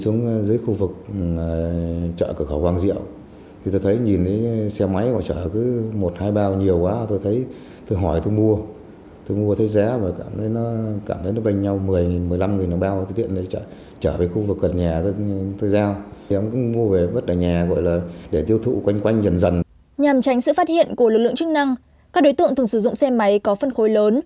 nhằm tránh sự phát hiện của lực lượng chức năng các đối tượng từng sử dụng xe máy có phân khối lớn